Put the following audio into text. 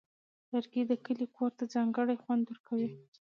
لرګی د کلي کور ته ځانګړی خوند ورکوي.